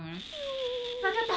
分かった！